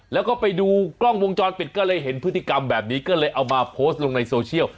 แล้วก็ไปดูกล้องวงจรปิดก็เลยเห็นพฤติกรรมแบบนี้ก็เลยเอามาโพสต์ลงในโซเชียล